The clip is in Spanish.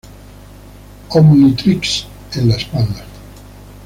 Omnitrix: En la espalda.